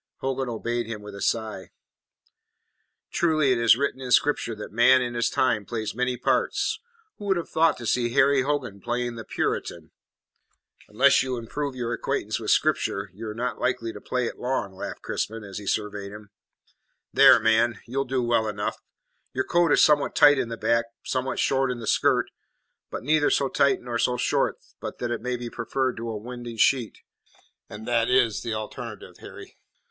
Hogan obeyed him with a sigh. "Truly it is written in Scripture that man in his time plays many parts. Who would have thought to see Harry Hogan playing the Puritan?" "Unless you improve your acquaintance with Scripture you are not like to play it long," laughed Crispin, as he surveyed him. "There, man, you'll do well enough. Your coat is somewhat tight in the back, somewhat short in the skirt; but neither so tight nor so short but that it may be preferred to a winding sheet, and that is the alternative, Harry."